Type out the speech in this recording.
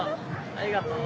ありがとう。